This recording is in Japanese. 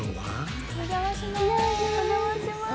お邪魔します。